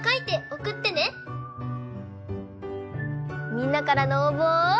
みんなからのおうぼを。